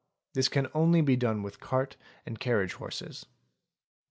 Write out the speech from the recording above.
This can only be done with cart and carriage horses.